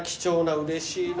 うれしいな。